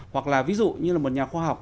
hoặc là ví dụ như là một nhà khoa học